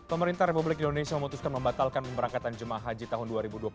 pemerintah republik indonesia memutuskan membatalkan pemberangkatan jemaah haji tahun dua ribu dua puluh satu